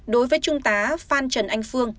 đối với trung tá phan trần anh phương